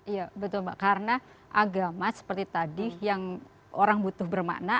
iya betul mbak karena agama seperti tadi yang orang butuh bermakna